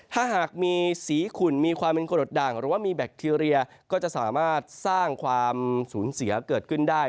ถ้าหากมีสีขุ่นมีความเป็นกรดด่างหรือว่ามีแบคทีเรียก็จะสามารถสร้างความสูญเสียเกิดขึ้นได้